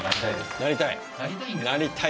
なりたい。